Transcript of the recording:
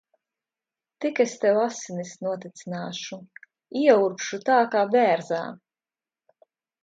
Tik es tev asinis notecināšu. Ieurbšu tā kā bērzā.